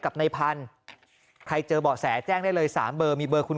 กับในพันธุ์ใครเจอเบาะแสแจ้งได้เลย๓เบอร์มีเบอร์คุณ